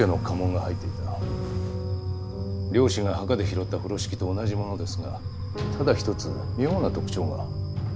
漁師が墓で拾った風呂敷と同じものですがただ一つ妙な特徴が。